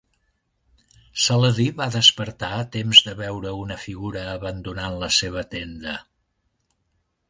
Saladí va despertar a temps de veure una figura abandonant la seva tenda.